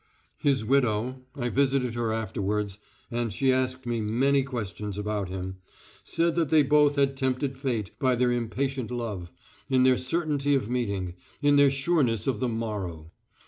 His widow I visited her afterwards, and she asked me many questions about him said that they both had tempted Fate by their impatient love, in their certainty of meeting, in their sureness of the morrow.